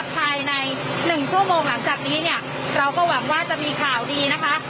ภายใน๑ชั่วโมงหลังจากนี้เนี่ยเราก็หวังว่าจะมีข่าวดีนะคะ